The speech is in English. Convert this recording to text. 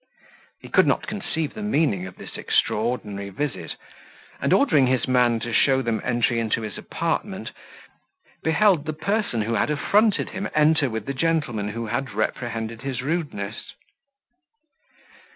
He could not conceive the meaning of this extraordinary visit; and, ordering his man to show them enter into his apartment, beheld the person who had affronted him enter with the gentleman who had reprehended his rudeness.